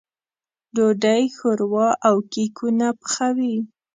ډوډۍ، ښوروا او کيکونه پخوي.